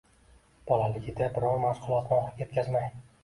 Bolaligida biror mashg‘ulotni oxiriga yetkazmay